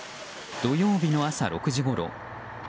土曜日の朝６時ごろ